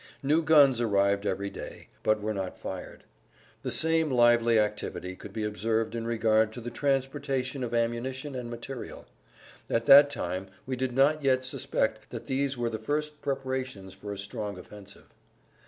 New guns arrived every day, but were not fired. The same lively activity could be observed in regard to the transportation of ammunition and material. At that time we did not yet suspect that these were the first preparations for a strong offensive.